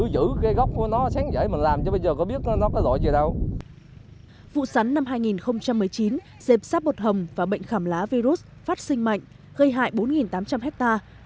vụ sắn năm hai nghìn một mươi chín dịp sáp bột hồng và bệnh khảm lá virus phát sinh mạnh gây hại bốn tám trăm linh hectare